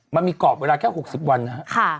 มันมีกรอบเวลาแค่๖๐วันนะครับ